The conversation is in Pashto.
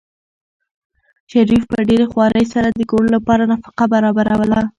شریف په ډېرې خوارۍ سره د کور لپاره نفقه برابروله.